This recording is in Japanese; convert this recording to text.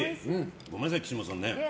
ごめんなさい、岸本さんね。